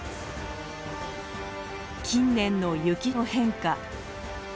近年の雪の変化。